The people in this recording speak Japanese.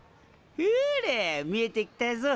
ほれ見えてきたぞ。